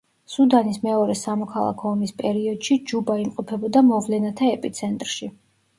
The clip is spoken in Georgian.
სუდანის მეორე სამოქალაქო ომის პერიოდში ჯუბა იმყოფებოდა მოვლენათა ეპიცენტრში.